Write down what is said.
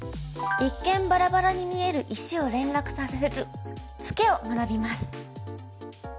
一見バラバラに見える石を連絡させるツケを学びます。